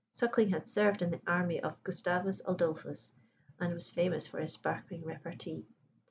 Suckling had served in the army of Gustavus Adolphus, and was famous for his sparkling repartee.